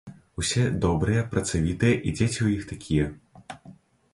Усе добрыя, працавітыя, і дзеці ў іх такія.